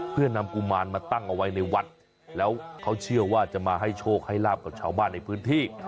เพื่อนำกุมารมาตั้งเอาไว้ในวัดแล้วเขาเชื่อว่าจะมาให้โชคให้ลาบกับชาวบ้านในพื้นที่